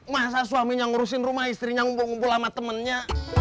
masa suaminya ngurusin rumah istrinya ngumpul ngumpul sama temennya